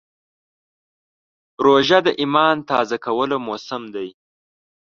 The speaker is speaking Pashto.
روژه د ایمان تازه کولو موسم دی.